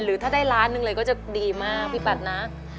ถ้าได้ล้านหนึ่งเลยก็จะดีมากพี่ปัดนะ